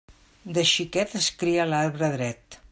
De xiquet es cria l'arbre dret.